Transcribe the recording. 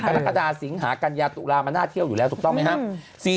กรกฎาสิงหากัญญาตุลามันน่าเที่ยวอยู่แล้วถูกต้องไหมครับ